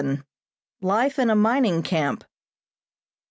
LIFE IN A MINING CAMP.